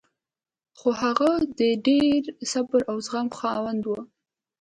خو هغه د ډېر صبر او زغم خاوند و